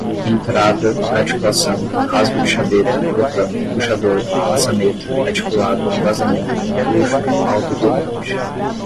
entrada, articulação, rasgo de chaveta, botão, puxador, maçaneta, articulada, vazamento, tucho, autoblocante